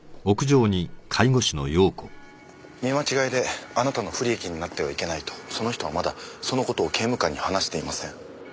見間違いであなたの不利益になってはいけないとその人はまだそのことを刑務官に話していません。